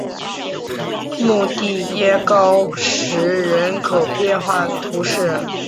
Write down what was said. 穆蒂耶高石人口变化图示